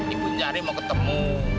ibu nyari mau ketemu